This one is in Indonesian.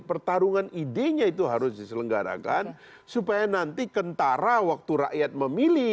pertarungan idenya itu harus diselenggarakan supaya nanti kentara waktu rakyat memilih